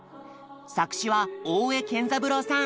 作詞は大江健三郎さん。